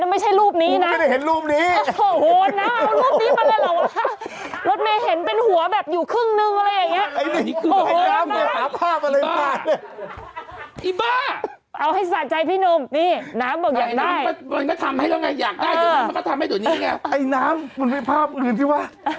มึงก็เอามาโหดกันกันไปอะเอาออกไปออกไปไหว